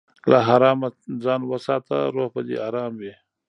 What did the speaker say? له حرامه ځان وساته، روح به دې ارام وي.